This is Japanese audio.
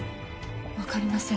分かりません